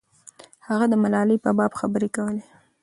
هغه د ملالۍ په باب خبرې کولې.